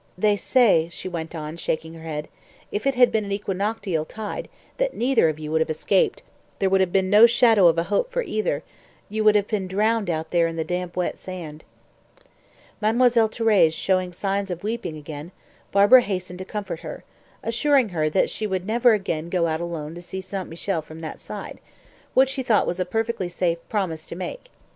They say," she went on, shaking her head, "if it had been an equinoctial tide, that neither of you would have escaped there would have been no shadow of a hope for either you would both have been drowned out there in the damp, wet sand." Mademoiselle Thérèse showing signs of weeping again, Barbara hastened to comfort her, assuring her that she would never again go out alone to see St. Michel from that side, which she thought was a perfectly safe promise to make.